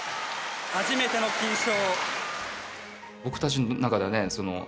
初めての金賞。